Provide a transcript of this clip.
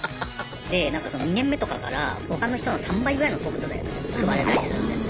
で２年目とかから他の人の３倍ぐらいの速度で配れたりするんです。